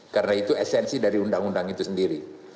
karena itu esensi dari undang undang itu sendiri